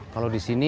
kalau di sini